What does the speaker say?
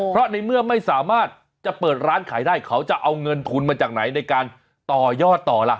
เพราะในเมื่อไม่สามารถจะเปิดร้านขายได้เขาจะเอาเงินทุนมาจากไหนในการต่อยอดต่อล่ะ